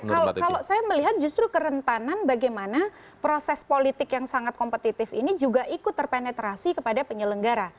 kalau saya melihat justru kerentanan bagaimana proses politik yang sangat kompetitif ini juga ikut terpenetrasi kepada penyelenggara